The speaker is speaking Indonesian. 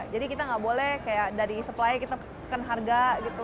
jadi kita nggak boleh kayak dari supply kita keken harga gitu